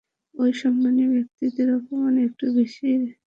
ওই, সম্মানি ব্যাক্তিদের অপমান একটু বেশি লাগে।